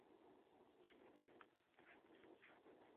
在歌曲中用来表示对情人之间错综复杂难以割舍的惋惜。